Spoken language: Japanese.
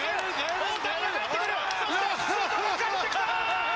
大谷が帰ってくるそして周東が帰ってきたー！